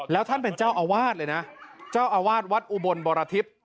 แล้วท่านเป็นเจ้าอาวาสเลยนะเจ้าอาวาสวัดอุบลบรทิพย์